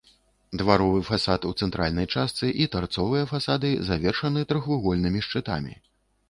Дваровы фасад у цэнтральнай частцы і тарцовыя фасады завершаны трохвугольнымі шчытамі.